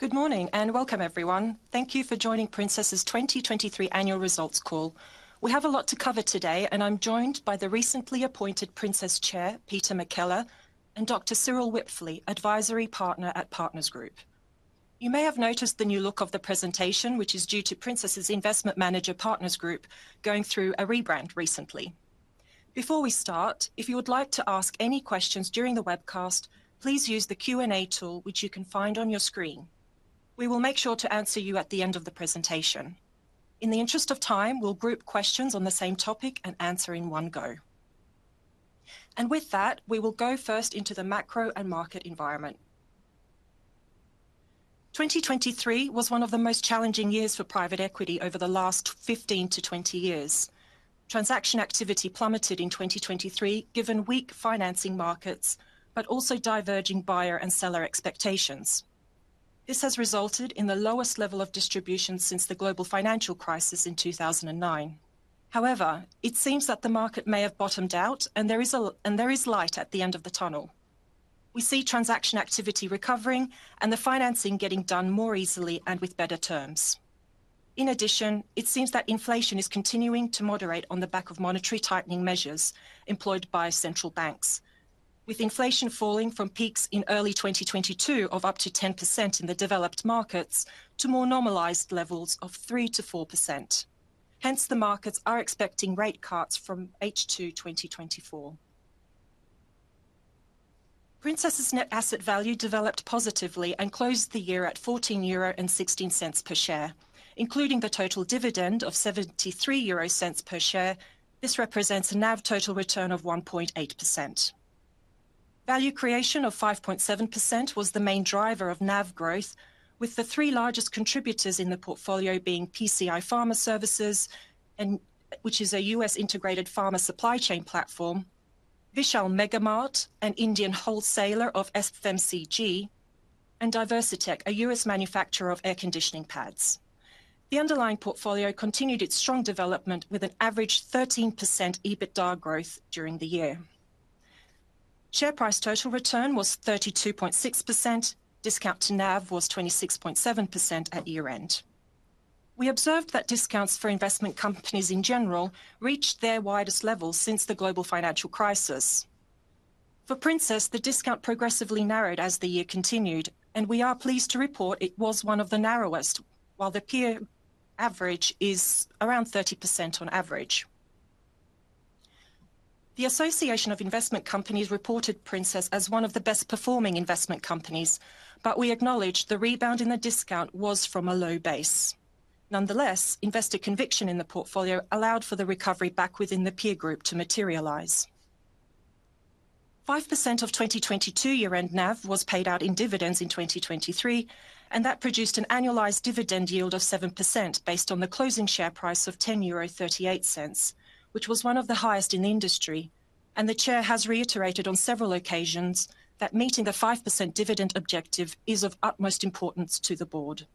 Good morning and welcome, everyone. Thank you for joining Princess's 2023 Annual Results Call. We have a lot to cover today, and I'm joined by the recently appointed Princess Chair Peter McKellar and Dr. Cyrill Wipfli, Advisory Partner at Partners Group. You may have noticed the new look of the presentation, which is due to Princess's Investment Manager Partners Group going through a rebrand recently. Before we start, if you would like to ask any questions during the webcast, please use the Q&A tool which you can find on your screen. We will make sure to answer you at the end of the presentation. In the interest of time, we'll group questions on the same topic and answer in one go. And with that, we will go first into the macro and market environment. 2023 was one of the most challenging years for private equity over the last 15-20 years. Transaction activity plummeted in 2023 given weak financing markets but also diverging buyer and seller expectations. This has resulted in the lowest level of distribution since the global financial crisis in 2009. However, it seems that the market may have bottomed out, and there is light at the end of the tunnel. We see transaction activity recovering and the financing getting done more easily and with better terms. In addition, it seems that inflation is continuing to moderate on the back of monetary tightening measures employed by central banks, with inflation falling from peaks in early 2022 of up to 10% in the developed markets to more normalized levels of 3%-4%. Hence, the markets are expecting rate cuts from H2 2024. Princess's net asset value developed positively and closed the year at 14.16 euro per share. Including the total dividend of 0.73 per share, this represents a NAV total return of 1.8%. Value creation of 5.7% was the main driver of NAV growth, with the three largest contributors in the portfolio being PCI Pharma Services, which is a U.S.-integrated pharma supply chain platform, Vishal Mega Mart, an Indian wholesaler of FMCG, and DiversiTech, a U.S. manufacturer of air conditioning pads. The underlying portfolio continued its strong development with an average 13% EBITDA growth during the year. Share price total return was 32.6%, discount to NAV was 26.7% at year-end. We observed that discounts for investment companies in general reached their widest levels since the global financial crisis. For Princess, the discount progressively narrowed as the year continued, and we are pleased to report it was one of the narrowest, while the peer average is around 30% on average. The Association of Investment Companies reported Princess as one of the best-performing investment companies, but we acknowledged the rebound in the discount was from a low base. Nonetheless, investor conviction in the portfolio allowed for the recovery back within the peer group to materialize. 5% of 2022 year-end NAV was paid out in dividends in 2023, and that produced an annualized dividend yield of 7% based on the closing share price of 10.38 euro, which was one of the highest in the industry, and the Chair has reiterated on several occasions that meeting the 5% dividend objective is of utmost importance to the board.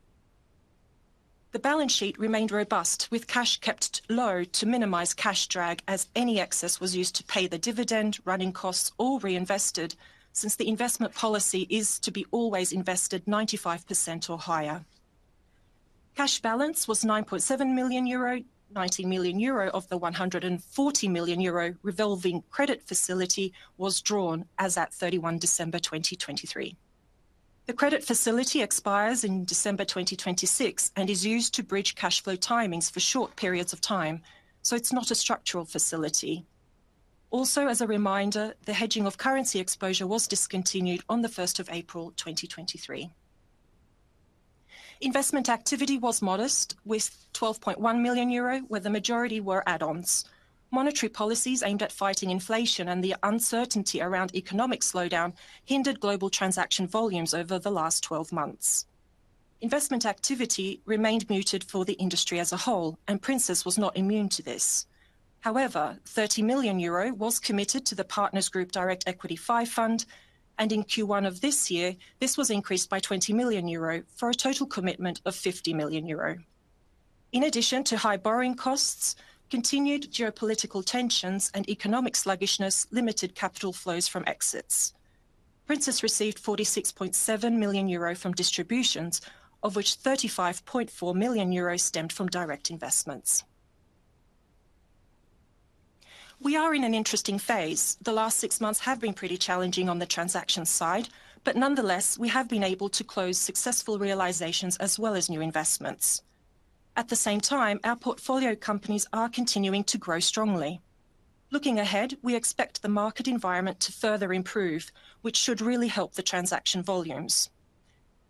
The balance sheet remained robust, with cash kept low to minimize cash drag as any excess was used to pay the dividend, running costs, all reinvested since the investment policy is to be always invested 95% or higher. Cash balance was 9.7 million euro; 90 million euro of the 140 million euro revolving credit facility was drawn as at 31 December 2023. The credit facility expires in December 2026 and is used to bridge cash flow timings for short periods of time, so it's not a structural facility. Also, as a reminder, the hedging of currency exposure was discontinued on 1 April 2023. Investment activity was modest, with 12.1 million euro where the majority were add-ons. Monetary policies aimed at fighting inflation and the uncertainty around economic slowdown hindered global transaction volumes over the last 12 months. Investment activity remained muted for the industry as a whole, and Princess was not immune to this. However, 30 million euro was committed to the Partners Group Direct Equity V Fund, and in Q1 of this year, this was increased by 20 million euro for a total commitment of 50 million euro. In addition to high borrowing costs, continued geopolitical tensions and economic sluggishness limited capital flows from exits. Princess received 46.7 million euro from distributions, of which 35.4 million euro stemmed from direct investments. We are in an interesting phase. The last six months have been pretty challenging on the transaction side, but nonetheless, we have been able to close successful realizations as well as new investments. At the same time, our portfolio companies are continuing to grow strongly. Looking ahead, we expect the market environment to further improve, which should really help the transaction volumes.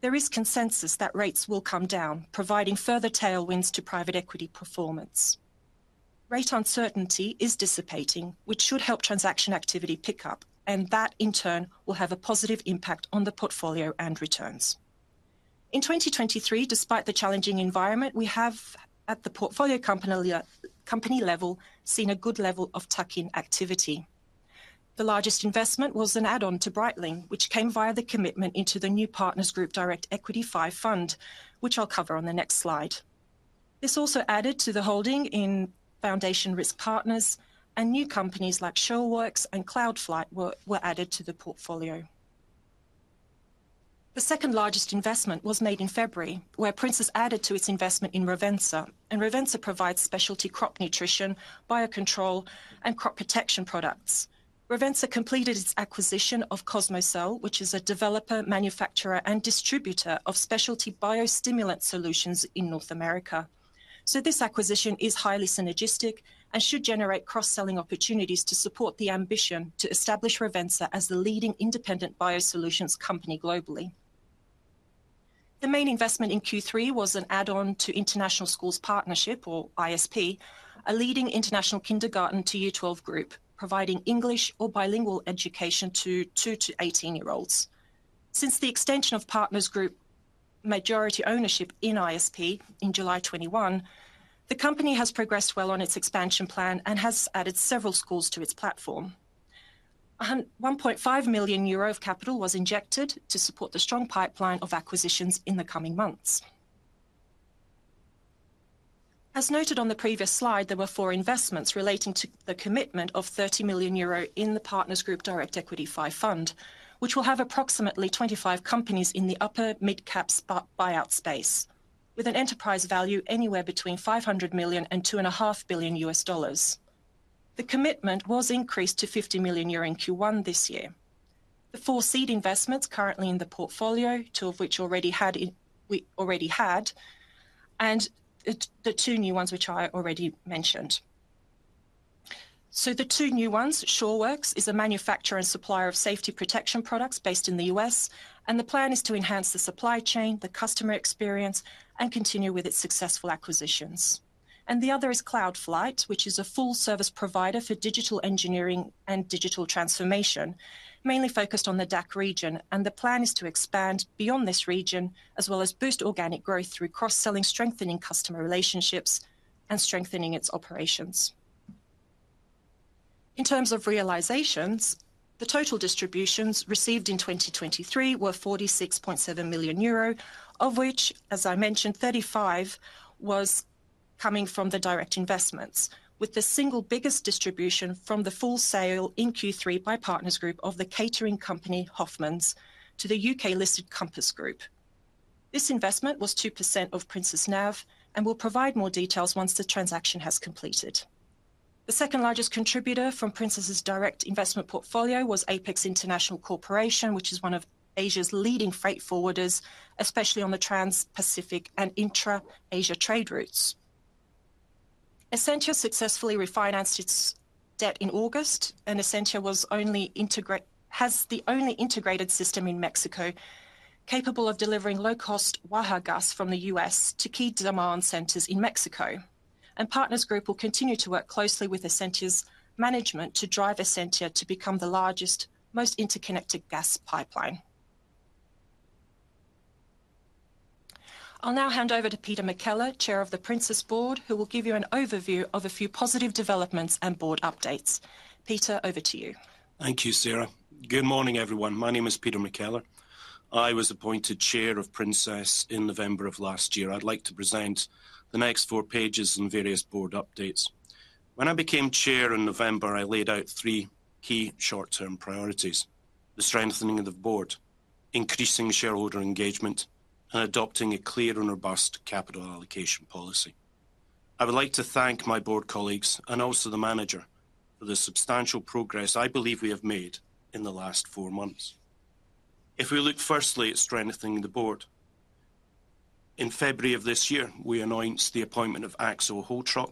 There is consensus that rates will come down, providing further tailwinds to private equity performance. Rate uncertainty is dissipating, which should help transaction activity pick up, and that, in turn, will have a positive impact on the portfolio and returns. In 2023, despite the challenging environment, we have at the portfolio company level seen a good level of tuck-in activity. The largest investment was an add-on to Breitling, which came via the commitment into the new Partners Group Direct Equity V Fund, which I'll cover on the next slide. This also added to the holding in Foundation Risk Partners, and new companies like SureWerx and Cloudflight were added to the portfolio. The second largest investment was made in February, where Princess added to its investment in Rovensa, and Rovensa provides specialty crop nutrition, biocontrol, and crop protection products. Rovensa completed its acquisition of Cosmocel, which is a developer, manufacturer, and distributor of specialty biostimulant solutions in North America. So this acquisition is highly synergistic and should generate cross-selling opportunities to support the ambition to establish Rovensa as the leading independent BioSolutions company globally. The main investment in Q3 was an add-on to International Schools Partnership, or ISP, a leading international kindergarten to Year 12 Group providing English or bilingual education to two to 18-year-olds. Since the extension of Partners Group majority ownership in ISP in July 2021, the company has progressed well on its expansion plan and has added several schools to its platform. 1.5 million euro of capital was injected to support the strong pipeline of acquisitions in the coming months. As noted on the previous slide, there were four investments relating to the commitment of 30 million euro in the Partners Group Direct Equity V, which will have approximately 25 companies in the upper mid-cap buyout space, with an enterprise value anywhere between 500 million to $2.5 billion. The commitment was increased to 50 million euro in Q1 this year. The four seed investments currently in the portfolio, two of which we already had, and the two new ones which I already mentioned. So the two new ones, SureWerx, is a manufacturer and supplier of safety protection products based in the U.S., and the plan is to enhance the supply chain, the customer experience, and continue with its successful acquisitions. And the other is Cloudflight, which is a full-service provider for digital engineering and digital transformation, mainly focused on the DACH region, and the plan is to expand beyond this region as well as boost organic growth through cross-selling, strengthening customer relationships, and strengthening its operations. In terms of realizations, the total distributions received in 2023 were 46.7 million euro, of which, as I mentioned, 35 million was coming from the direct investments, with the single biggest distribution from the full sale in Q3 by Partners Group of the catering company Hofmanns to the U.K.-listed Compass Group. This investment was 2% of Princess NAV and will provide more details once the transaction has completed. The second largest contributor from Princess's direct investment portfolio was Apex International Corporation, which is one of Asia's leading freight forwarders, especially on the Trans-Pacific and intra-Asia trade routes. Esentia successfully refinanced its debt in August, and Esentia has the only integrated system in Mexico capable of delivering low-cost Waha gas from the U.S. to key demand centers in Mexico. Partners Group will continue to work closely with Esentia's management to drive Esentia to become the largest, most interconnected gas pipeline. I'll now hand over to Peter McKellar, Chair of the Princess Board, who will give you an overview of a few positive developments and board updates. Peter, over to you. Thank you, Sarah. Good morning, everyone. My name is Peter McKellar. I was appointed Chair of Princess in November of last year. I'd like to present the next four pages and various board updates. When I became Chair in November, I laid out three key short-term priorities: the strengthening of the board, increasing shareholder engagement, and adopting a clear and robust capital allocation policy. I would like to thank my board colleagues and also the manager for the substantial progress I believe we have made in the last four months. If we look firstly at strengthening the board, in February of this year, we announced the appointment of Axel Holtrup.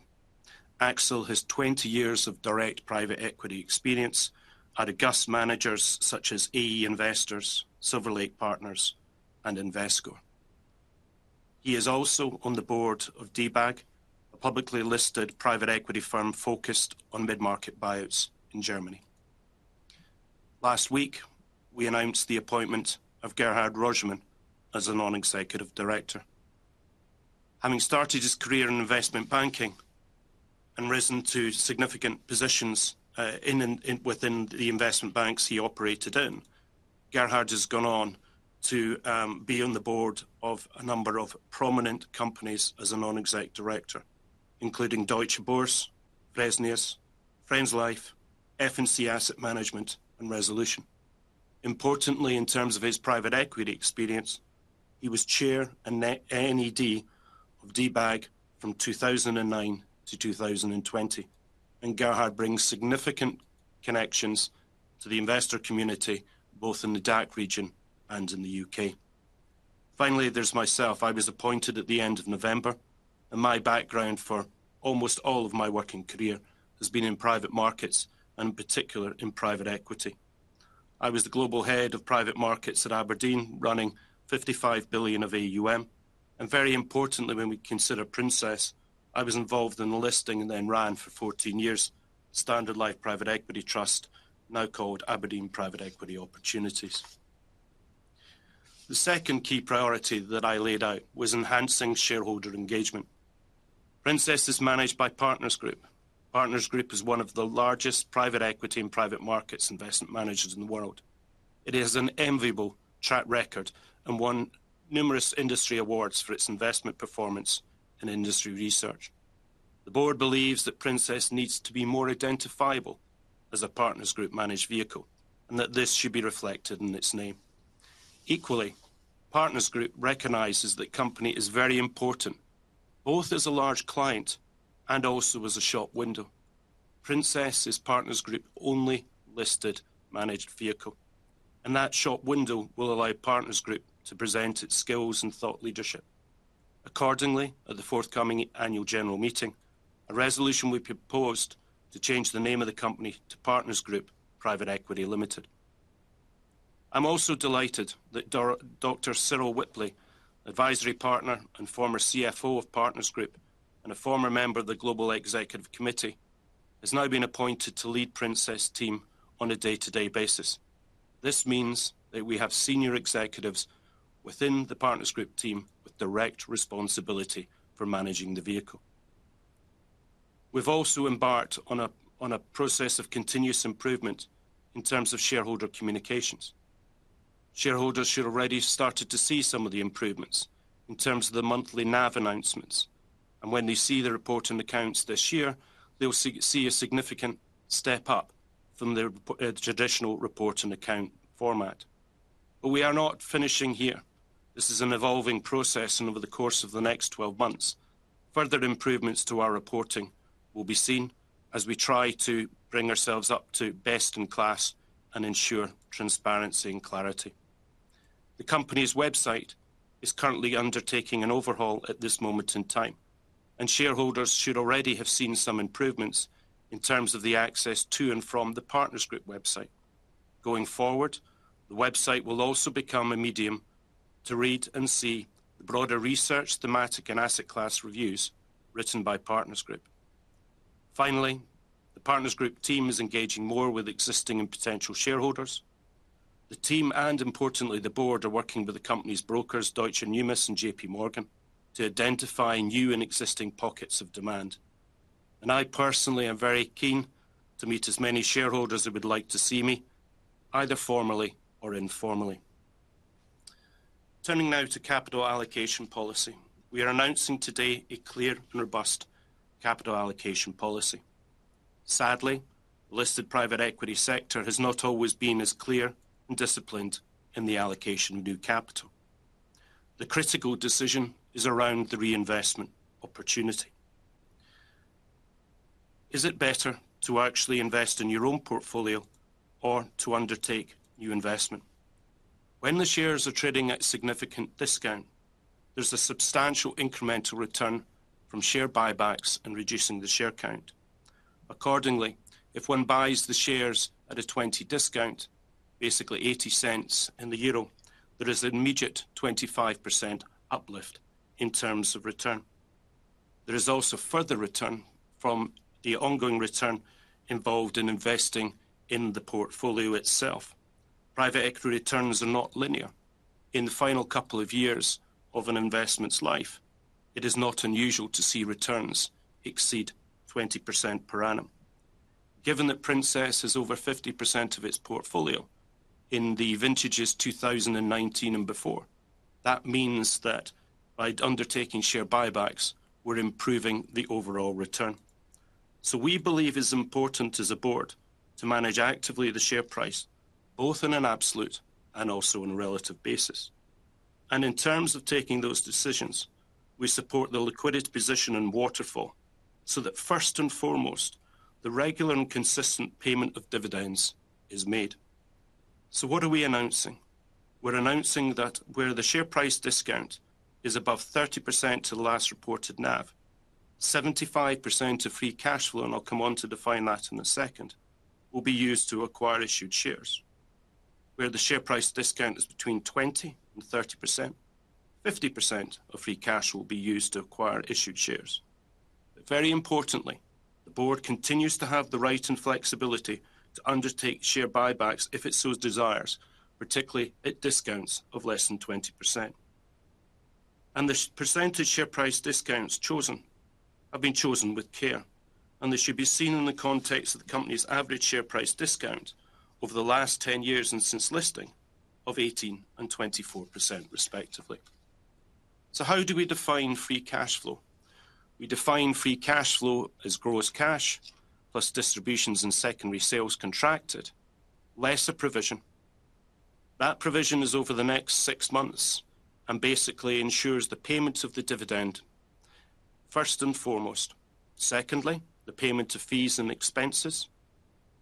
Axel has 20 years of direct private equity experience at august managers such as AEA Investors, Silver Lake, and Invesco. He is also on the board of DBAG, a publicly listed private equity firm focused on mid-market buyouts in Germany. Last week, we announced the appointment of Gerhard Roggemann as a non-executive director. Having started his career in investment banking and risen to significant positions within the investment banks he operated in, Gerhard has gone on to be on the board of a number of prominent companies as a non-executive director, including Deutsche Börse, Fresenius, Friends Life, F&C Asset Management, and Resolution. Importantly, in terms of his private equity experience, he was Chair and NED of DBAG from 2009-2020, and Gerhard brings significant connections to the investor community both in the DACH region and in the U.K.. Finally, there's myself. I was appointed at the end of November, and my background for almost all of my working career has been in private markets and, in particular, in private equity. I was the global head of private markets at Aberdeen, running 55 billion of AUM, and very importantly, when we consider Princess, I was involved in the listing and then ran for 14 years Standard Life Private Equity Trust, now called abrdn Private Equity Opportunities. The second key priority that I laid out was enhancing shareholder engagement. Princess is managed by Partners Group. Partners Group is one of the largest private equity and private markets investment managers in the world. It has an enviable track record and won numerous industry awards for its investment performance and industry research. The board believes that Princess needs to be more identifiable as a Partners Group-managed vehicle and that this should be reflected in its name. Equally, Partners Group recognizes that the company is very important, both as a large client and also as a shop window. Princess is Partners Group's only listed managed vehicle, and that shop window will allow Partners Group to present its skills and thought leadership. Accordingly, at the forthcoming annual general meeting, a resolution will be proposed to change the name of the company to Partners Group Private Equity Limited. I'm also delighted that Dr. Cyrill Wipfli, advisory partner and former CFO of Partners Group and a former member of the global executive committee, has now been appointed to lead Princess's team on a day-to-day basis. This means that we have senior executives within the Partners Group team with direct responsibility for managing the vehicle. We've also embarked on a process of continuous improvement in terms of shareholder communications. Shareholders should already have started to see some of the improvements in terms of the monthly NAV announcements, and when they see the report and accounts this year, they'll see a significant step up from the traditional report and account format. We are not finishing here. This is an evolving process, and over the course of the next 12 months, further improvements to our reporting will be seen as we try to bring ourselves up to best in class and ensure transparency and clarity. The company's website is currently undertaking an overhaul at this moment in time, and shareholders should already have seen some improvements in terms of the access to and from the Partners Group website. Going forward, the website will also become a medium to read and see the broader research, thematic, and asset class reviews written by Partners Group. Finally, the Partners Group team is engaging more with existing and potential shareholders. The team and, importantly, the board are working with the company's brokers, Deutsche Numis and JPMorgan, to identify new and existing pockets of demand. And I personally am very keen to meet as many shareholders as would like to see me, either formally or informally. Turning now to capital allocation policy, we are announcing today a clear and robust capital allocation policy. Sadly, the listed private equity sector has not always been as clear and disciplined in the allocation of new capital. The critical decision is around the reinvestment opportunity. Is it better to actually invest in your own portfolio or to undertake new investment? When the shares are trading at a significant discount, there's a substantial incremental return from share buybacks and reducing the share count. Accordingly, if one buys the shares at a 20% discount, basically 0.80 in the euro, there is an immediate 25% uplift in terms of return. There is also further return from the ongoing return involved in investing in the portfolio itself. Private equity returns are not linear. In the final couple of years of an investment's life, it is not unusual to see returns exceed 20% per annum. Given that Princess has over 50% of its portfolio in the vintages 2019 and before, that means that by undertaking share buybacks, we're improving the overall return. So we believe it's important as a board to manage actively the share price, both on an absolute and also on a relative basis. And in terms of taking those decisions, we support the liquidity position in Waterfall so that, first and foremost, the regular and consistent payment of dividends is made. So what are we announcing? We're announcing that where the share price discount is above 30% of the last reported NAV, 75% of free cash flow (and I'll come on to define that in a second) will be used to acquire issued shares. Where the share price discount is between 20% and 30%, 50% of free cash will be used to acquire issued shares. But very importantly, the board continues to have the right and flexibility to undertake share buybacks if it so desires, particularly at discounts of less than 20%. And the percentage share price discounts chosen have been chosen with care, and they should be seen in the context of the company's average share price discount over the last 10 years and since listing of 18% and 24%, respectively. So how do we define free cash flow? We define free cash flow as gross cash plus distributions and secondary sales contracted, less a provision. That provision is over the next six months and basically ensures the payment of the dividend, first and foremost. Secondly, the payment of fees and expenses,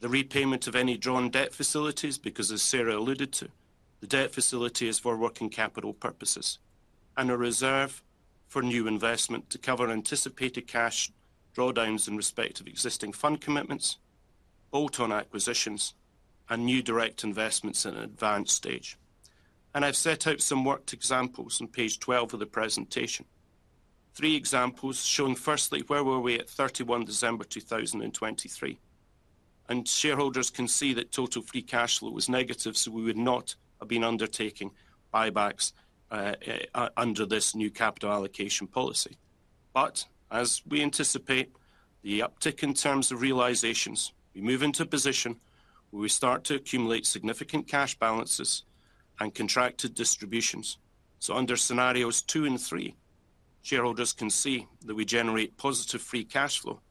the repayment of any drawn debt facilities because, as Sarah alluded to, the debt facility is for working capital purposes, and a reserve for new investment to cover anticipated cash drawdowns in respect of existing fund commitments, bolt-on acquisitions, and new direct investments in an advanced stage. And I've set out some worked examples on page 12 of the presentation, three examples showing, firstly, where were we at 31 December 2023? And shareholders can see that total free cash flow was negative, so we would not have been undertaking buybacks under this new capital allocation policy. As we anticipate the uptick in terms of realizations, we move into a position where we start to accumulate significant cash balances and contracted distributions. Under scenarios two and three, shareholders can see that we generate positive free cash flow.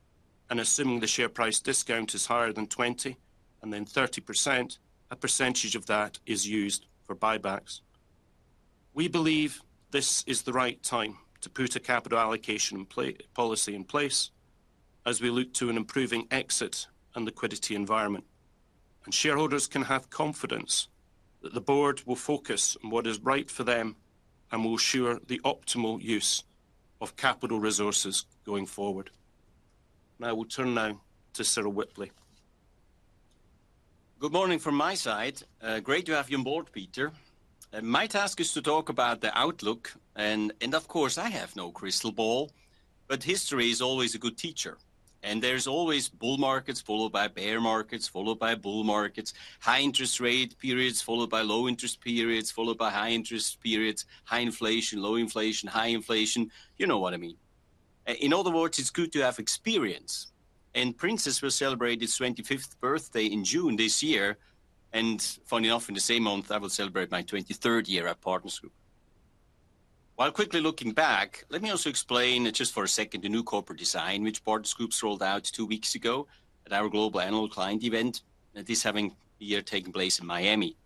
Assuming the share price discount is higher than 20% and then 30%, a percentage of that is used for buybacks. We believe this is the right time to put a capital allocation policy in place as we look to an improving exit and liquidity environment. Shareholders can have confidence that the board will focus on what is right for them and will assure the optimal use of capital resources going forward. I will turn now to Cyrill Wipfli. Good morning from my side. Great to have you on board, Peter. My task is to talk about the outlook. Of course, I have no crystal ball, but history is always a good teacher. There's always bull markets followed by bear markets, followed by bull markets, high interest rate periods followed by low interest periods, followed by high interest periods, high inflation, low inflation, high inflation. You know what I mean. In other words, it's good to have experience. Princess will celebrate its 25th birthday in June this year. Funny enough, in the same month, I will celebrate my 23rd year at Partners Group. While quickly looking back, let me also explain just for a second the new corporate design which Partners Group rolled out two weeks ago at our global annual client event, this year taking place in Miami.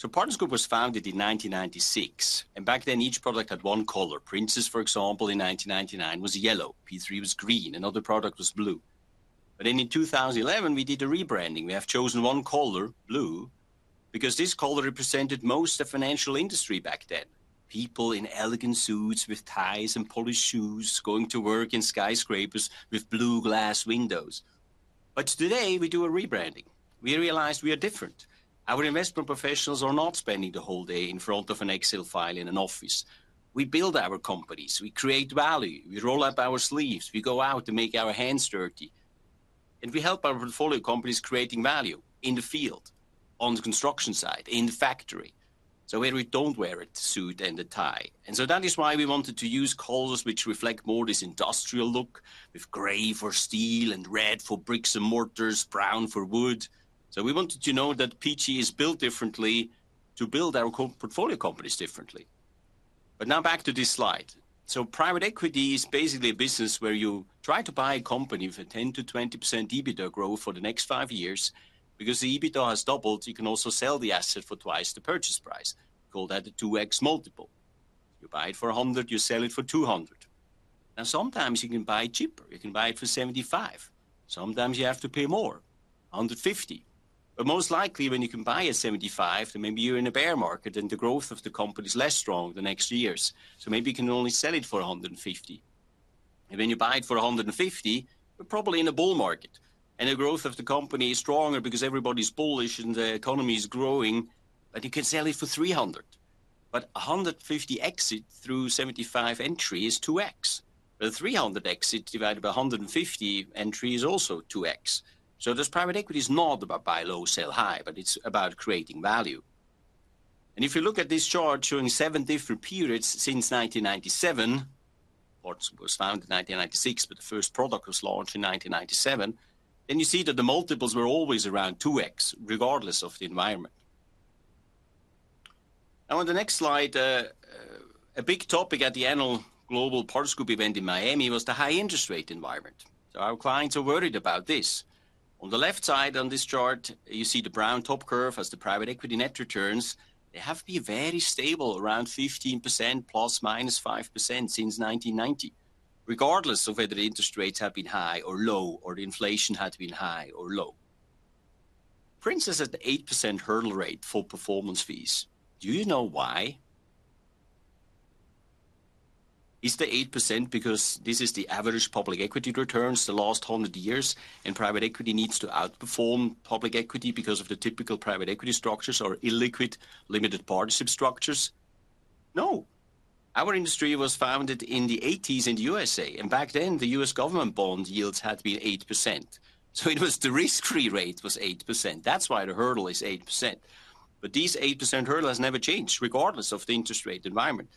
So Partners Group was founded in 1996. And back then, each product had one color. Princess, for example, in 1999 was yellow. P3 was green. Another product was blue. But then in 2011, we did a rebranding. We have chosen one color, blue, because this color represented most of the financial industry back then: people in elegant suits with ties and polished shoes going to work in skyscrapers with blue glass windows. But today, we do a rebranding. We realized we are different. Our investment professionals are not spending the whole day in front of an Excel file in an office. We build our companies. We create value. We roll up our sleeves. We go out to make our hands dirty. And we help our portfolio companies creating value in the field, on the construction side, in the factory, so where we don't wear a suit and a tie. So that is why we wanted to use colors which reflect more this industrial look, with grey for steel and red for bricks and mortars, brown for wood. So we wanted to know that PG is built differently to build our portfolio companies differently. But now back to this slide. So private equity is basically a business where you try to buy a company with a 10%-20% EBITDA growth for the next five years. Because the EBITDA has doubled, you can also sell the asset for twice the purchase price. We call that the 2x multiple. You buy it for 100, you sell it for 200. Now, sometimes you can buy it cheaper. You can buy it for 75. Sometimes you have to pay more, 150. Most likely, when you can buy at 75, then maybe you're in a bear market and the growth of the company is less strong the next years. Maybe you can only sell it for 150. When you buy it for 150, you're probably in a bull market. The growth of the company is stronger because everybody's bullish and the economy is growing. You can sell it for 300. 150 exit through 75 entry is 2x. A 300 exit divided by 150 entry is also 2x. Private equity is not about buy low, sell high, but it's about creating value. If you look at this chart showing seven different periods since 1997, Partners Group was founded in 1996, but the first product was launched in 1997, then you see that the multiples were always around 2x, regardless of the environment. Now, on the next slide, a big topic at the annual global Partners Group event in Miami was the high interest rate environment. So our clients are worried about this. On the left side on this chart, you see the brown top curve as the private equity net returns. They have been very stable, around 15% ± 5% since 1990, regardless of whether interest rates have been high or low or inflation had been high or low. Princess has an 8% hurdle rate for performance fees. Do you know why? Is the 8% because this is the average public equity returns the last 100 years, and private equity needs to outperform public equity because of the typical private equity structures or illiquid limited partnership structures? No. Our industry was founded in the 1980s in the U.S.A., and back then, the U.S. government bond yields had been 8%. So the risk-free rate was 8%. That's why the hurdle is 8%. But this 8% hurdle has never changed, regardless of the interest rate environment.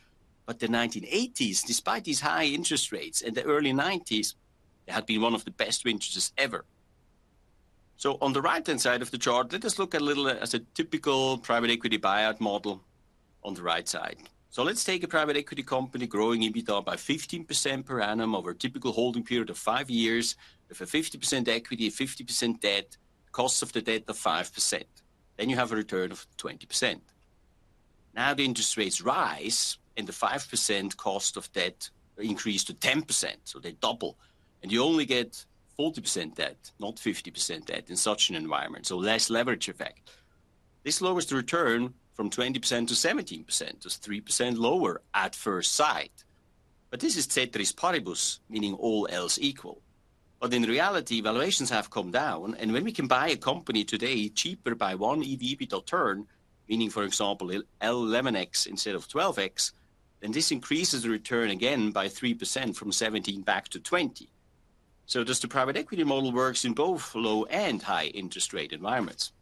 But the 1980s, despite these high interest rates and the early 1990s, they had been one of the best vintages ever. So on the right-hand side of the chart, let us look a little bit at a typical private equity buyout model on the right side. So let's take a private equity company growing EBITDA by 15% per annum over a typical holding period of five years with a 50% equity, a 50% debt, cost of the debt of 5%. Then you have a return of 20%. Now, the interest rates rise, and the 5% cost of debt increased to 10%. So they doubled. And you only get 40% debt, not 50% debt in such an environment, so less leverage effect. This lowers the return from 20%-17%, just 3% lower at first sight. But this is ceteris paribus, meaning all else equal. But in reality, valuations have come down. And when we can buy a company today cheaper by one EV/EBITDA turn, meaning, for example, 11x instead of 12x, then this increases the return again by 3% from 17% back to 20%. So does the private equity model work in both low and high interest rate environments?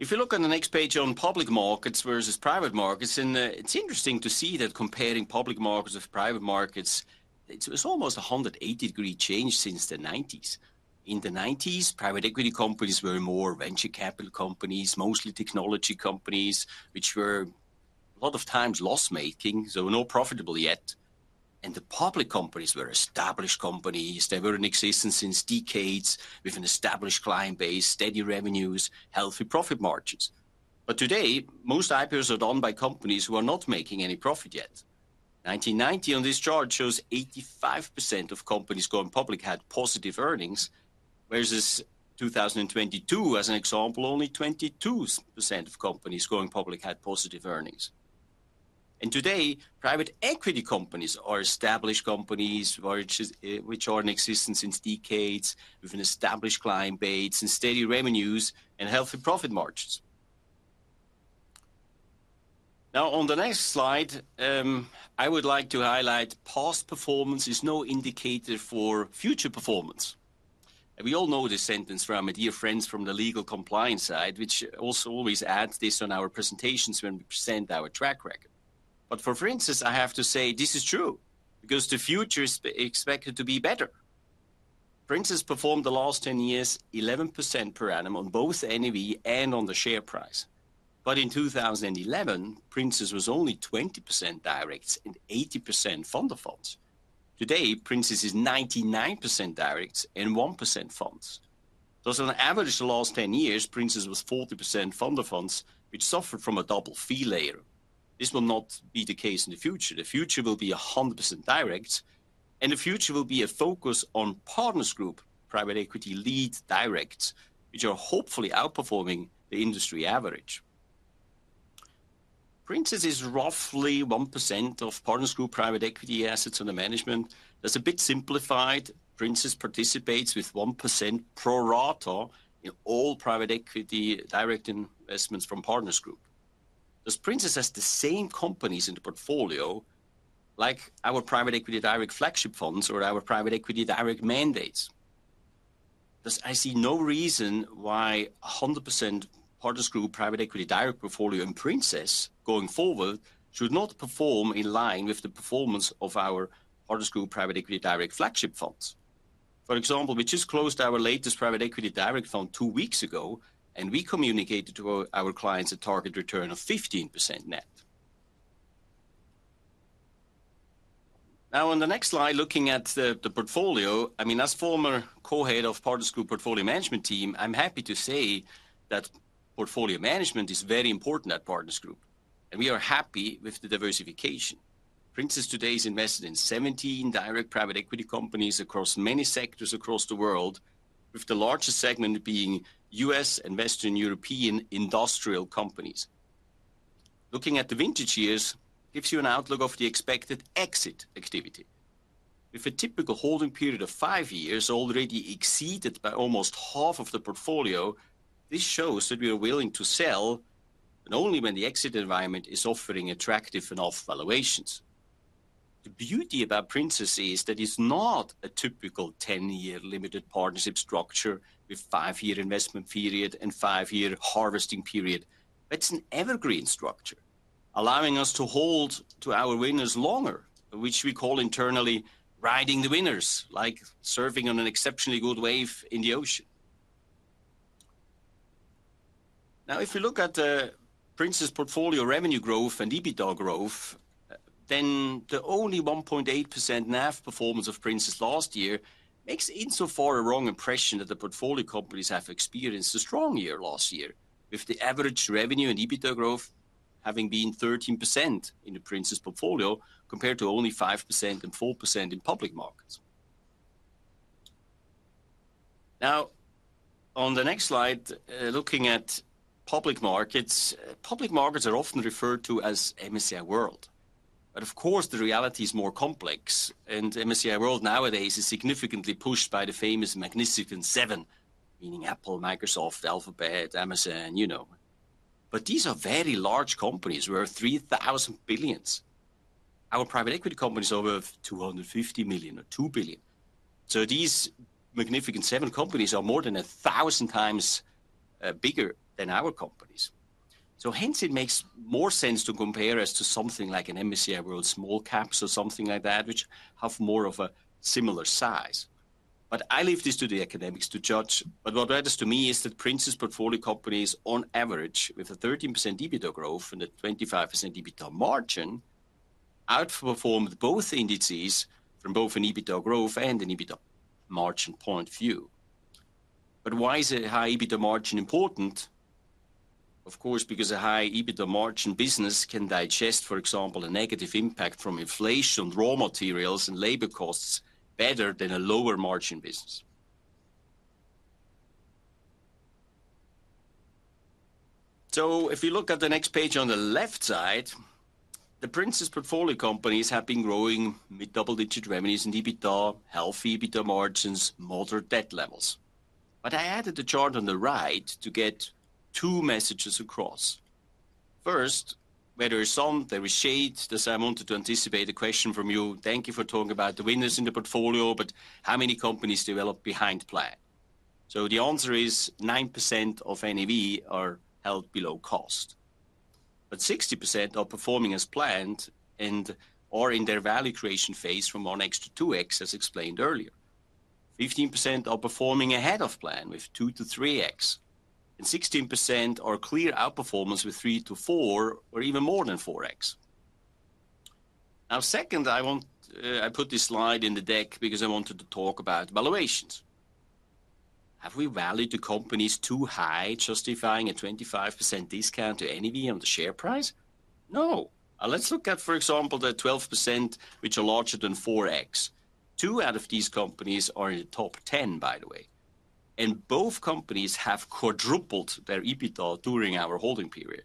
If you look on the next page on public markets vs private markets, it's interesting to see that comparing public markets with private markets, it was almost a 180-degree change since the 1990s. In the 1990s, private equity companies were more venture capital companies, mostly technology companies, which were a lot of times loss-making, so not profitable yet. And the public companies were established companies. They were in existence since decades with an established client base, steady revenues, healthy profit margins. Today, most IPOs are done by companies who are not making any profit yet. 1990 on this chart shows 85% of companies going public had positive earnings, whereas in 2022, as an example, only 22% of companies going public had positive earnings. Today, private equity companies are established companies which are in existence since decades with an established client base and steady revenues and healthy profit margins. Now, on the next slide, I would like to highlight, past performance is no indicator for future performance. We all know this sentence from my dear friends from the legal compliance side, which also always adds this on our presentations when we present our track record. For Princess, I have to say this is true because the future is expected to be better. Princess performed the last 10 years 11% per annum on both NAV and on the share price. But in 2011, Princess was only 20% directs and 80% fund of funds. Today, Princess is 99% directs and 1% funds. So on average, the last 10 years, Princess was 40% fund of funds, which suffered from a double fee layer. This will not be the case in the future. The future will be 100% directs. The future will be a focus on Partners Group private equity lead directs, which are hopefully outperforming the industry average. Princess is roughly 1% of Partners Group private equity assets under management. That's a bit simplified. Princess participates with 1% pro rata in all private equity direct investments from Partners Group. Does Princess have the same companies in the portfolio like our private equity direct flagship funds or our private equity direct mandates? I see no reason why 100% Partners Group private equity direct portfolio in Princess going forward should not perform in line with the performance of our Partners Group private equity direct flagship funds. For example, we just closed our latest private equity direct fund two weeks ago, and we communicated to our clients a target return of 15% net. Now, on the next slide, looking at the portfolio, I mean, as former co-head of Partners Group portfolio management team, I'm happy to say that portfolio management is very important at Partners Group. We are happy with the diversification. Princess today is invested in 17 direct private equity companies across many sectors across the world, with the largest segment being U.S. and Western European industrial companies. Looking at the vintage years gives you an outlook of the expected exit activity. With a typical holding period of five years already exceeded by almost half of the portfolio, this shows that we are willing to sell, but only when the exit environment is offering attractive enough valuations. The beauty about Princess is that it's not a typical 10-year limited partnership structure with five-year investment period and five-year harvesting period. That's an evergreen structure, allowing us to hold to our winners longer, which we call internally "riding the winners," like surfing on an exceptionally good wave in the ocean. Now, if we look at Princess portfolio revenue growth and EBITDA growth, then the only 1.8% NAV performance of Princess last year makes, insofar, a wrong impression that the portfolio companies have experienced a strong year last year, with the average revenue and EBITDA growth having been 13% in the Princess portfolio compared to only 5% and 4% in public markets. Now, on the next slide, looking at public markets, public markets are often referred to as MSCI World. But of course, the reality is more complex. MSCI World nowadays is significantly pushed by the famous Magnificent Seven, meaning Apple, Microsoft, Alphabet, Amazon, you know. But these are very large companies. We're $3,000 billion. Our private equity company is over $250 million or $2 billion. So these Magnificent Seven companies are more than 1,000x bigger than our companies. So hence, it makes more sense to compare as to something like an MSCI World small caps or something like that, which have more of a similar size. But I leave this to the academics to judge. But what matters to me is that Princess portfolio companies, on average, with a 13% EBITDA growth and a 25% EBITDA margin, outperform both indices from both an EBITDA growth and an EBITDA margin point of view. But why is a high EBITDA margin important? Of course, because a high EBITDA margin business can digest, for example, a negative impact from inflation on raw materials and labor costs better than a lower margin business. So if you look at the next page on the left side, the Princess portfolio companies have been growing with double-digit revenues and EBITDA, healthy EBITDA margins, moderate debt levels. But I added the chart on the right to get two messages across. First, where there is sun, there is shade. Does that mean I wanted to anticipate a question from you? Thank you for talking about the winners in the portfolio, but how many companies develop behind plan? So the answer is 9% of NAV are held below cost. But 60% are performing as planned and are in their value creation phase from 1x to 2x, as explained earlier. 15% are performing ahead of plan with 2-3x. And 16% are clear outperformance with 3-4x or even more than 4x. Now, second, I put this slide in the deck because I wanted to talk about valuations. Have we valued the companies too high, justifying a 25% discount to NAV on the share price? No. Let's look at, for example, the 12%, which are larger than 4x. Two out of these companies are in the top 10, by the way. And both companies have quadrupled their EBITDA during our holding period.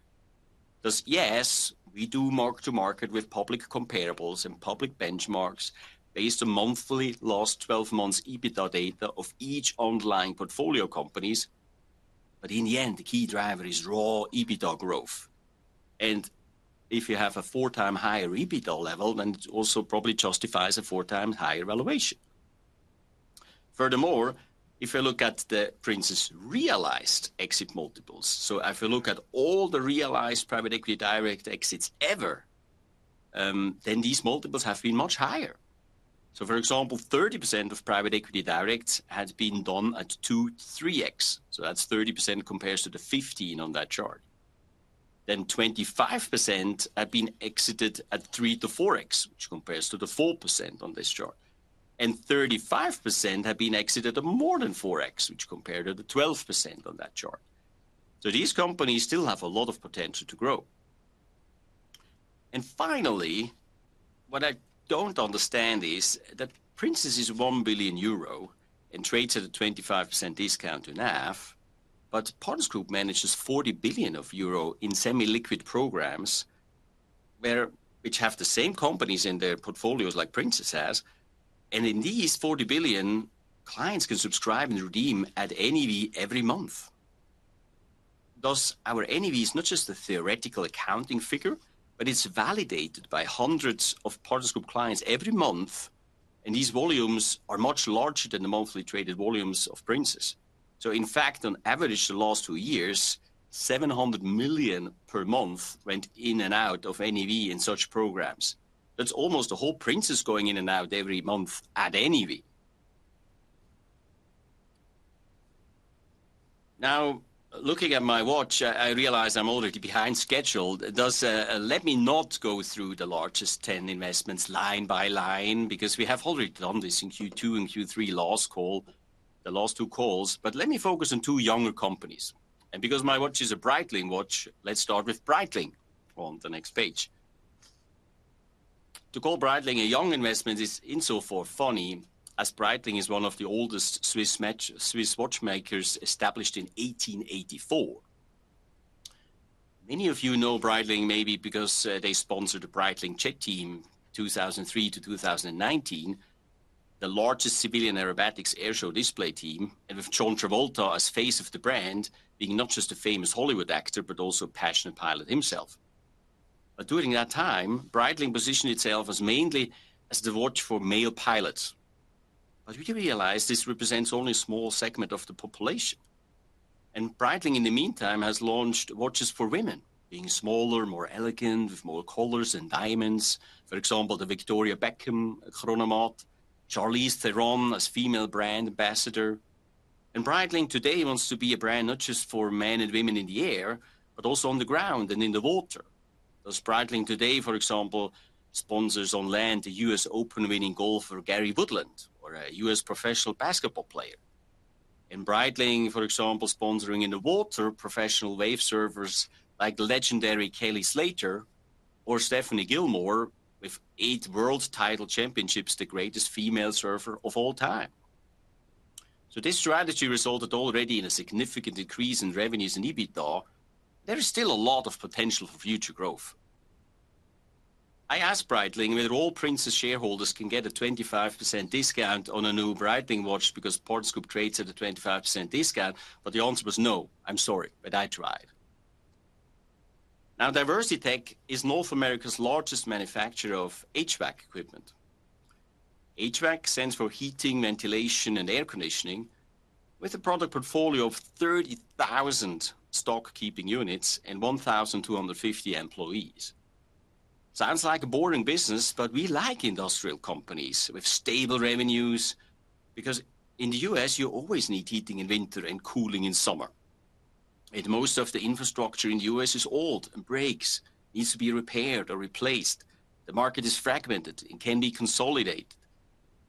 Yes, we do mark-to-market with public comparables and public benchmarks based on monthly last 12 months EBITDA data of each underlying portfolio companies. But in the end, the key driver is raw EBITDA growth. And if you have a 4x higher EBITDA level, then it also probably justifies a 4x higher valuation. Furthermore, if you look at the Princess realized exit multiples, so if you look at all the realized private equity direct exits ever, then these multiples have been much higher. So, for example, 30% of private equity directs had been done at 2-3x. So that's 30% compared to the 15% on that chart. Then 25% had been exited at 3-4x, which compares to the 4% on this chart. And 35% had been exited at more than 4x, which compared to the 12% on that chart. So these companies still have a lot of potential to grow. Finally, what I don't understand is that Princess is 1 billion euro and trades at a 25% discount to NAV, but Partners Group manages 40 billion euro in semi-liquid programs, which have the same companies in their portfolios like Princess has. In these, 40 billion clients can subscribe and redeem at NAV every month. Thus, our NAV is not just a theoretical accounting figure, but it's validated by hundreds of Partners Group clients every month. These volumes are much larger than the monthly traded volumes of Princess. So, in fact, on average, the last two years, 700 million per month went in and out of NAV in such programs. That's almost the whole Princess going in and out every month at NAV. Now, looking at my watch, I realize I'm already behind schedule. Let me not go through the largest 10 investments line by line because we have already done this in Q2 and Q3 last call, the last two calls. Let me focus on two younger companies. Because my watch is a Breitling watch, let's start with Breitling on the next page. To call Breitling a young investment is, insofar, funny as Breitling is one of the oldest Swiss watchmakers established in 1884. Many of you know Breitling maybe because they sponsored the Breitling Jet Team 2003-2019, the largest civilian aerobatics airshow display team, and with John Travolta as face of the brand being not just a famous Hollywood actor but also a passionate pilot himself. But during that time, Breitling positioned itself mainly as the watch for male pilots. But we do realize this represents only a small segment of the population. Breitling, in the meantime, has launched watches for women, being smaller, more elegant, with more colors and diamonds. For example, the Victoria Beckham Chronomat, Charlize Theron as female brand ambassador. Breitling today wants to be a brand not just for men and women in the air but also on the ground and in the water. Thus, Breitling today, for example, sponsors on land the U.S. Open-winning golfer Gary Woodland or a U.S. professional basketball player. Breitling, for example, sponsoring in the water professional wave surfers like the legendary Kelly Slater or Stephanie Gilmore with eight world title championships, the greatest female surfer of all time. This strategy resulted already in a significant increase in revenues and EBITDA. There is still a lot of potential for future growth. I asked Breitling whether all Princess shareholders can get a 25% discount on a new Breitling watch because Partners Group trades at a 25% discount. But the answer was, "No. I'm sorry, but I tried." Now, DiversiTech is North America's largest manufacturer of HVAC equipment. HVAC stands for Heating, Ventilation, and Air Conditioning, with a product portfolio of 30,000 stock-keeping units and 1,250 employees. Sounds like a boring business, but we like industrial companies with stable revenues because in the U.S., you always need heating in winter and cooling in summer. And most of the infrastructure in the U.S. is old and breaks, needs to be repaired or replaced. The market is fragmented and can be consolidated.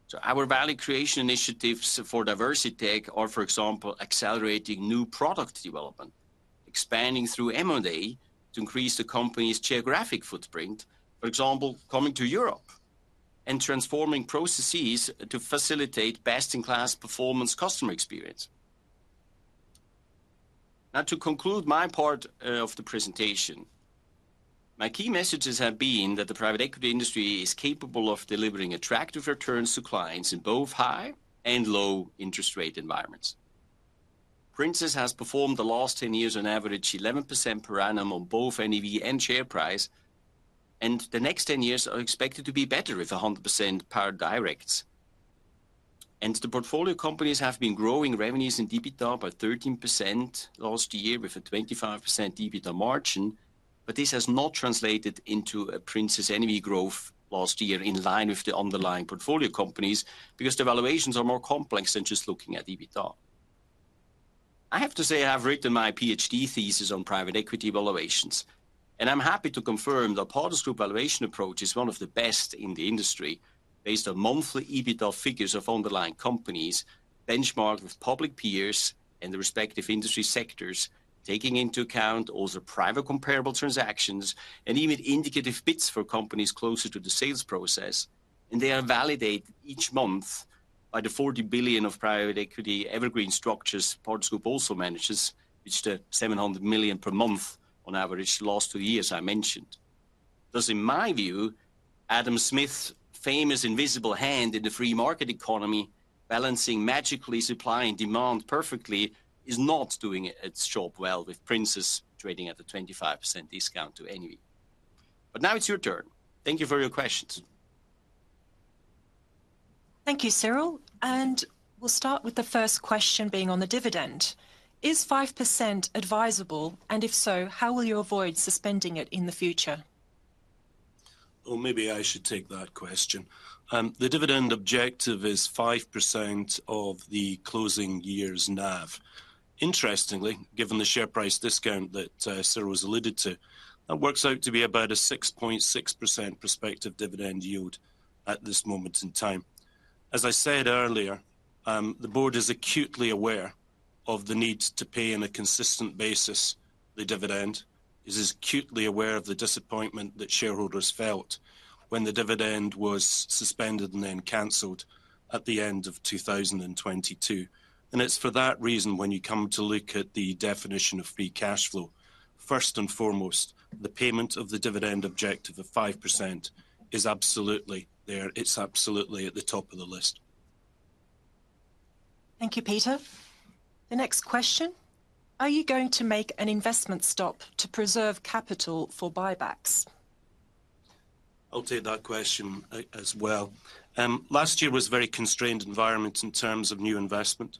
So our value creation initiatives for DiversiTech are, for example, accelerating new product development, expanding through M&A to increase the company's geographic footprint, for example, coming to Europe, and transforming processes to facilitate best-in-class performance customer experience. Now, to conclude my part of the presentation, my key messages have been that the private equity industry is capable of delivering attractive returns to clients in both high and low interest rate environments. Princess has performed the last 10 years on average 11% per annum on both NAV and share price. And the next 10 years are expected to be better with 100% powered directs. And the portfolio companies have been growing revenues and EBITDA by 13% last year with a 25% EBITDA margin. This has not translated into Princess NAV growth last year in line with the underlying portfolio companies because the valuations are more complex than just looking at EBITDA. I have to say I have written my Ph.D. thesis on private equity valuations. I'm happy to confirm that Partners Group valuation approach is one of the best in the industry based on monthly EBITDA figures of underlying companies benchmarked with public peers and the respective industry sectors, taking into account also private comparable transactions and even indicative bids for companies closer to the sales process. They are validated each month by the 40 billion of private equity evergreen structures Partners Group also manages, which are 700 million per month on average last two years I mentioned. Thus, in my view, Adam Smith's famous invisible hand in the free market economy balancing magically supply and demand perfectly is not doing its job well with Princess trading at a 25% discount to NAV. But now it's your turn. Thank you for your questions. Thank you, Cyrill. We'll start with the first question being on the dividend. Is 5% advisable? And if so, how will you avoid suspending it in the future? Oh, maybe I should take that question. The dividend objective is 5% of the closing year's NAV. Interestingly, given the share price discount that Cyrill has alluded to, that works out to be about a 6.6% prospective dividend yield at this moment in time. As I said earlier, the board is acutely aware of the need to pay on a consistent basis the dividend. It is acutely aware of the disappointment that shareholders felt when the dividend was suspended and then canceled at the end of 2022. And it's for that reason when you come to look at the definition of free cash flow, first and foremost, the payment of the dividend objective of 5% is absolutely there. It's absolutely at the top of the list. Thank you, Peter. The next question. Are you going to make an investment stop to preserve capital for buybacks? I'll take that question as well. Last year was a very constrained environment in terms of new investment.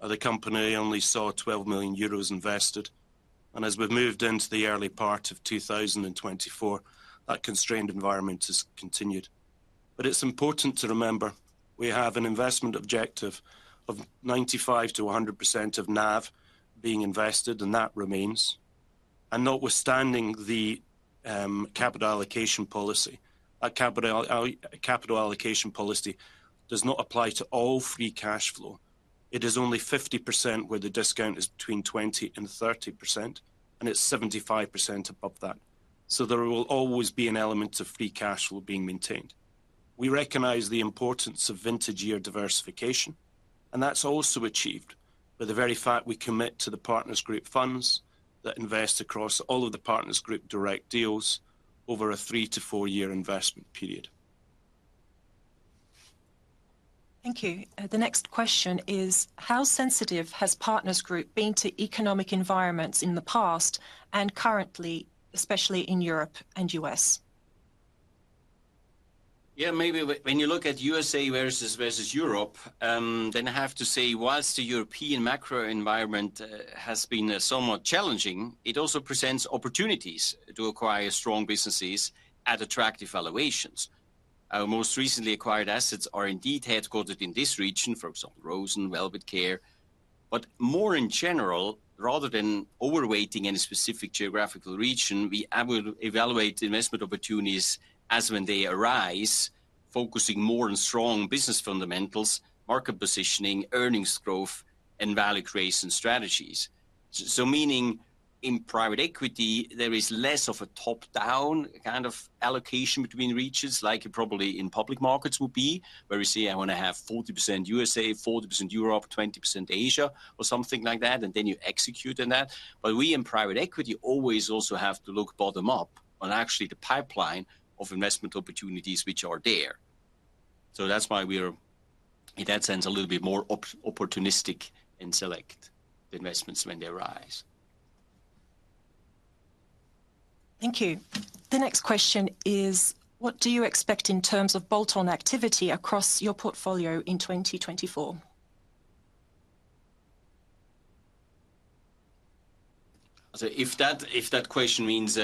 The company only saw 12 million euros invested. As we've moved into the early part of 2024, that constrained environment has continued. It's important to remember we have an investment objective of 95%-100% of NAV being invested, and that remains, notwithstanding the capital allocation policy. That capital allocation policy does not apply to all free cash flow. It is only 50% where the discount is between 20%-30%, and it's 75% above that. There will always be an element of free cash flow being maintained. We recognize the importance of vintage year diversification. That's also achieved by the very fact we commit to the Partners Group funds that invest across all of the Partners Group direct deals over a three to four-year investment period. Thank you. The next question is, how sensitive has Partners Group been to economic environments in the past and currently, especially in Europe and U.S..? Yeah, maybe when you look at U.S.A. vs Europe, then I have to say, while the European macro environment has been somewhat challenging, it also presents opportunities to acquire strong businesses at attractive valuations. Our most recently acquired assets are indeed headquartered in this region, for example, Rovensa, Velvet CARE. But more in general, rather than overweighting any specific geographical region, we evaluate investment opportunities as when they arise, focusing more on strong business fundamentals, market positioning, earnings growth, and value creation strategies. So meaning, in private equity, there is less of a top-down kind of allocation between regions, like it probably in public markets would be, where you say, "I want to have 40% U.S.A., 40% Europe, 20% Asia," or something like that, and then you execute on that. But we in private equity always also have to look bottom-up on actually the pipeline of investment opportunities which are there. So that's why we are, in that sense, a little bit more opportunistic in selecting the investments when they arise. Thank you. The next question is, what do you expect in terms of bolt-on activity across your portfolio in 2024? So if that question means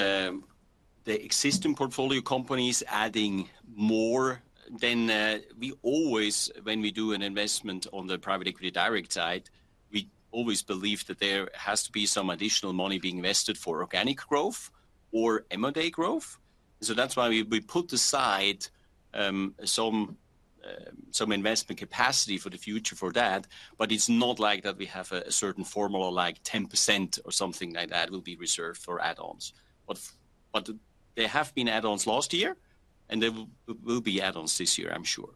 the existing portfolio companies adding more, then when we do an investment on the private equity direct side, we always believe that there has to be some additional money being invested for organic growth or M&A growth. So that's why we put aside some investment capacity for the future for that. But it's not like that we have a certain formula like 10% or something like that will be reserved for add-ons. But there have been add-ons last year, and there will be add-ons this year, I'm sure.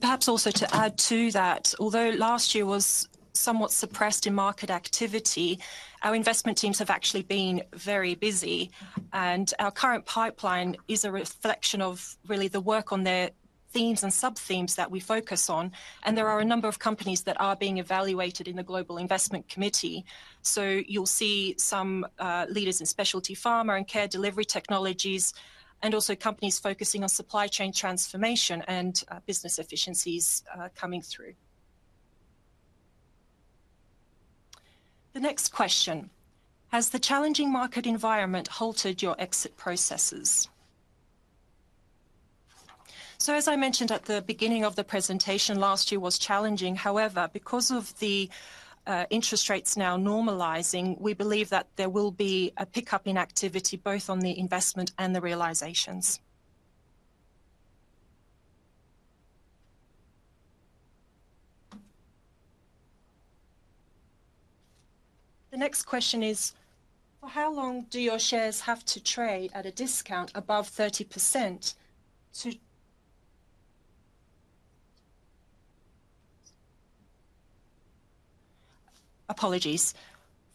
Perhaps also to add to that, although last year was somewhat suppressed in market activity, our investment teams have actually been very busy. Our current pipeline is a reflection of really the work on the themes and subthemes that we focus on. There are a number of companies that are being evaluated in the Global Investment Committee. So you'll see some leaders in specialty pharma and care delivery technologies and also companies focusing on supply chain transformation and business efficiencies coming through. The next question. Has the challenging market environment halted your exit processes? As I mentioned at the beginning of the presentation, last year was challenging. However, because of the interest rates now normalizing, we believe that there will be a pickup in activity both on the investment and the realizations. The next question is, for how long do your shares have to trade at a discount above 30% to? Apologies.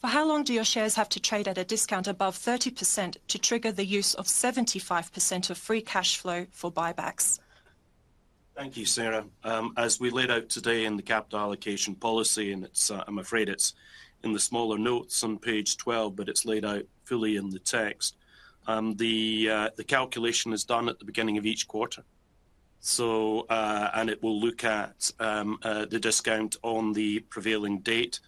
For how long do your shares have to trade at a discount above 30% to trigger the use of 75% of free cash flow for buybacks? Thank you, Sarah. As we laid out today in the capital allocation policy, and I'm afraid it's in the smaller notes on page 12, but it's laid out fully in the text, the calculation is done at the beginning of each quarter. And it will look at the discount on the prevailing date.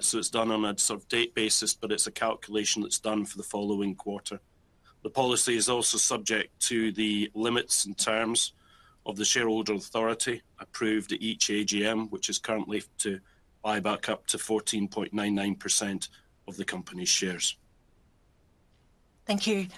So it's done on a sort of date basis, but it's a calculation that's done for the following quarter. The policy is also subject to the limits and terms of the shareholder authority approved at each AGM, which is currently to buy back up to 14.99% of the company's shares. Thank you.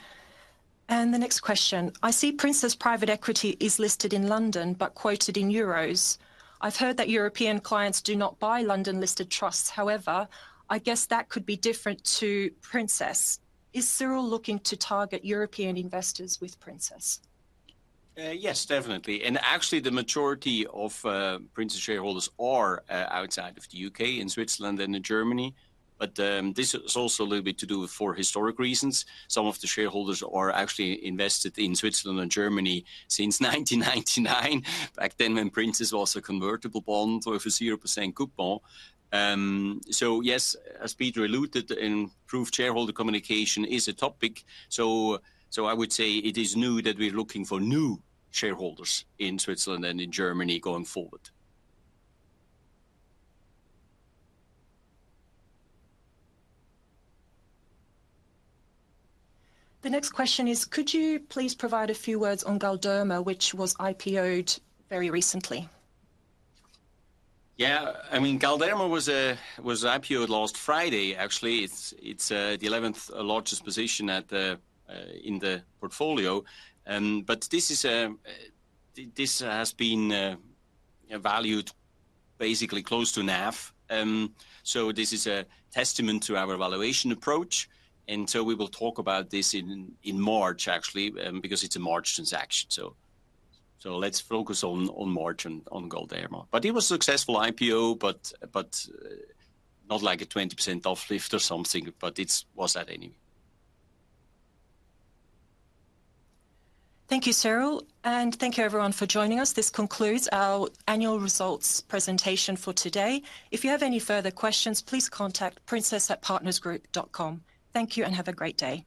And the next question. I see Princess Private Equity is listed in London but quoted in euros. I've heard that European clients do not buy London-listed trusts. However, I guess that could be different to Princess. Is Cyrill looking to target European investors with Princess? Yes, definitely. And actually, the majority of Princess shareholders are outside of the U.K., in Switzerland, and in Germany. But this is also a little bit to do with historic reasons. Some of the shareholders are actually invested in Switzerland and Germany since 1999, back then when Princess was a convertible bond with a 0% coupon. So yes, as Peter alluded, improved shareholder communication is a topic. So I would say it is new that we're looking for new shareholders in Switzerland and in Germany going forward. The next question is, could you please provide a few words on Galderma, which was IPO-ed very recently? Yeah. I mean, Galderma was IPO-ed last Friday, actually. It's the 11th largest position in the portfolio. But this has been valued basically close to NAV. So this is a testament to our valuation approach. And so we will talk about this in March, actually, because it's a March transaction. So let's focus on March and on Galderma. But it was a successful IPO, but not like a 20% uplift or something, but it was that anyway. Thank you, Cyrill. Thank you, everyone, for joining us. This concludes our annual results presentation for today. If you have any further questions, please contact princess@partnersgroup.com. Thank you and have a great day.